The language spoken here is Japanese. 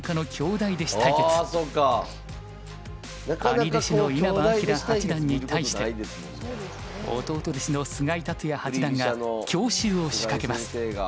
兄弟子の稲葉陽八段に対して弟弟子の菅井竜也八段が強襲を仕掛けます。